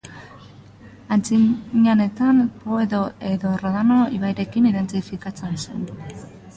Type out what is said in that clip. Antzinatean, Po edo Rodano ibaiekin identifikatzen zen.